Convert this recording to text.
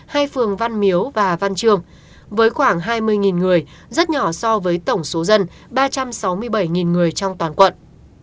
hai phường văn miếu và văn trường với khoảng hai mươi người rất nhỏ so với tổng số dân ba trăm sáu mươi bảy người trong toàn quận